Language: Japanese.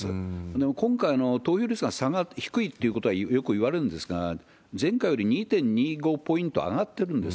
でも今回の投票率が低いってことはよくいわれるんですが、前回より２．２５ポイント上がってるんです。